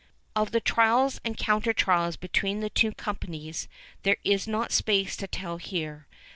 Of the trials and counter trials between the two companies, there is not space to tell here.